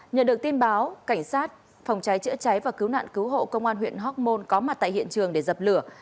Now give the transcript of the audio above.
nhờ được tin báo cảnh sát phòng cháy chữa cháy và cứu nạn cứu hộ công an huyện hóc môn có mặt tại hiện trường để dập lửa